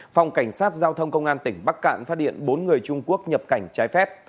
phòng cảnh sát giao thông công an tỉnh bắc cạn phát hiện bốn người trung quốc nhập cảnh trái phép